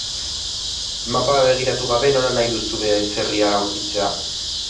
Mapa begiratu gabe nola nahi duzu baserria aurkitzea?